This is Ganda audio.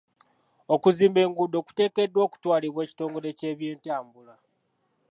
Okuzimba enguudo kuteekeddwa okutwalibwa ekitongole ky'ebyentambula.